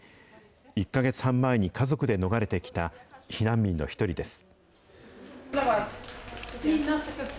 １か月半前に家族で逃れてきた避難民の１人です。